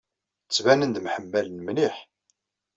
Ttbanen-d mḥemmalen mliḥ.